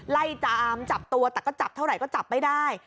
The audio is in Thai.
จามจับตัวแต่ก็จับเท่าไหร่ก็จับไม่ได้